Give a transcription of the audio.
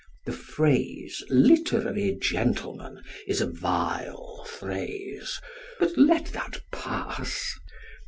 The phrase "literary gentleman" is a vile phrase, but let that pass.